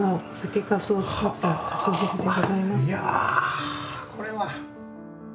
いやこれは。